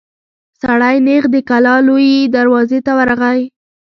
سړی نېغ د کلا لويي دروازې ته ورغی.